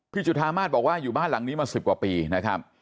จุธามาศบอกว่าอยู่บ้านหลังนี้มา๑๐กว่าปีนะครับ